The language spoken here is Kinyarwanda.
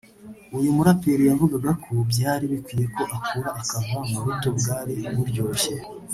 uyu muraperi yavugaga ko byari bikwiye ko akura akava mu buto bwari buryoshye